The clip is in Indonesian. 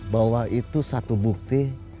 bahwa itu satu bukti